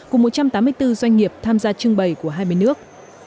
cùng một trăm tám mươi bốn doanh nghiệp tham gia trưng bày của hai mươi nước